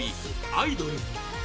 「アイドル」